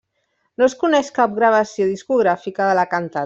No es coneix cap gravació discogràfica de la cantata.